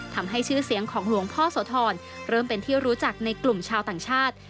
ชื่อเสียงของหลวงพ่อโสธรเริ่มเป็นที่รู้จักในกลุ่มชาวต่างชาติ